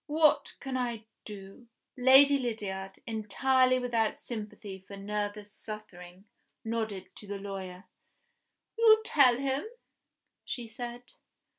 What can I do?" Lady Lydiard, entirely without sympathy for nervous suffering, nodded to the lawyer. "You tell him," she said.